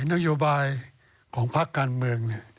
นโยบายของภาคการเมืองเนี่ย